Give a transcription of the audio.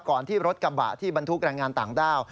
ก่อนที่รถกระบะที่บรรทุกรายงานต่างด้าบ